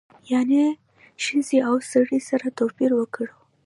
یعنې له ښځې او سړي سره توپیر وکړو.